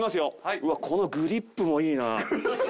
うわ、このグリップもいいな。